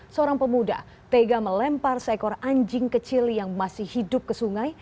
seorang pemuda tega melempar seekor anjing kecil yang masih hidup ke sungai